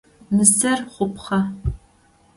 Нысэр хъупхъэ.